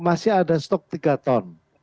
masih ada stok tiga ton